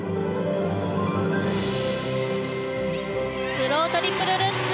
スロートリプルルッツ。